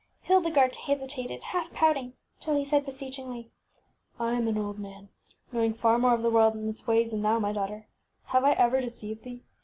ŌĆÖ Hildegarde hesitated, half pouting, till he said, beseechingly, ŌĆś I am an old man, knowing far more of the world and its ways than thou, my daughter. Have I ever deceived thee?